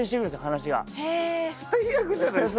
話が最悪じゃないですか！